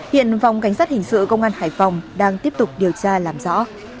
hiện phòng cảnh sát hình sự công an hải phòng đang tiếp tục điều tra làm rõ